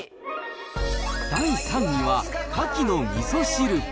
第３位はカキのみそ汁。